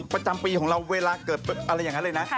ประจำปีของเราเวลาเกิดอะไรอย่างนั้นเลยนะ